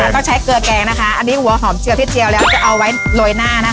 ต้องใช้เกลือแกงนะคะอันนี้หัวหอมเจียวที่เจียวแล้วจะเอาไว้โรยหน้านะคะ